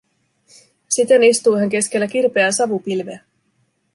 Siten istuu hän keskellä kirpeää savupilveä.